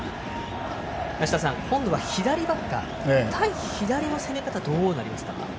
梨田さん、今度は左バッター対左の攻め方はどうなりますか。